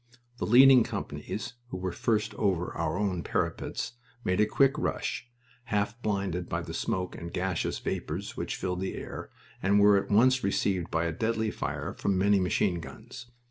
The leading companies, who were first over our own parapets, made a quick rush, half blinded by the smoke and the gaseous vapors which filled the air, and were at once received by a deadly fire from many machine guns.